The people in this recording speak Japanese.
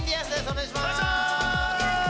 お願いします！